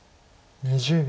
２０秒。